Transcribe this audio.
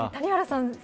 谷原さん